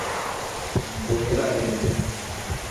Buerarema